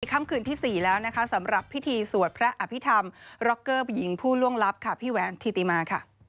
ค่ำคืนที่๔แล้วนะคะสำหรับพิธีสวดพระอภิษฐรรมร็อกเกอร์ผู้หญิงผู้ล่วงลับค่ะพี่แหวนธิติมาค่ะ